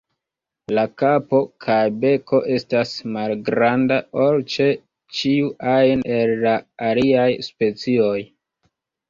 La kapo kaj beko estas malgranda ol ĉe ĉiu ajn el la aliaj specioj.